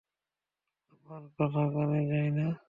আমার কথা কানে যায় না?